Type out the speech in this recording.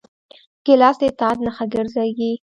ګیلاس د اطاعت نښه ګرځېږي.